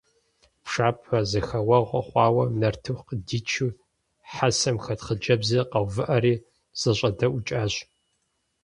Пшапэ зэхэуэгъуэ хъуауэ, нартыху къыдичу хьэсэм хэт хъыджэбзыр къэувыӀэри зэщӀэдэӀукӀащ.